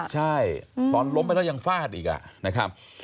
ใช่ตอนล้มไปแล้วยังฟาดอีก